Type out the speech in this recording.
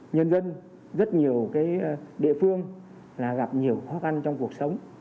nhân dân rất nhiều địa phương gặp nhiều khó khăn trong cuộc sống